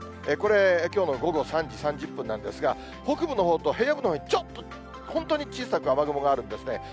これ、きょうの午後３時３０分なんですが、北部のほうと平野部のほうに、ちょっと、本当に小さく雨雲があるんですね。